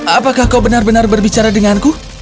apakah kau benar benar berbicara denganku